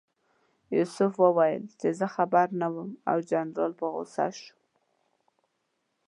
یوسف وویل چې زه خبر نه یم او جنرال په غوسه شو.